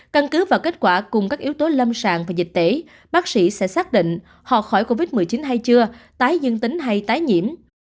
căn cứ vào kết quả cùng các yếu tố lâm sàng và dịch tễ bác sĩ sẽ xác định họ khỏi covid một mươi chín hay chưa tái dương tính hay tái nhiễm